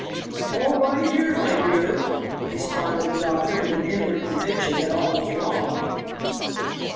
"All right here, my dear," responded the doctor with an inward conviction that all was wrong.